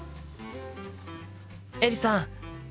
エリさん。